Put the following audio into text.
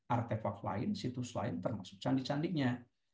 artefak lain situs lain termasuk candi candinya